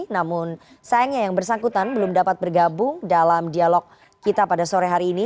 namun sayangnya yang bersangkutan belum dapat bergabung dalam dialog kita pada sore hari ini